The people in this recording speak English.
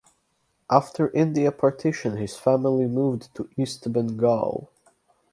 After India partition his family moved to East Bengal.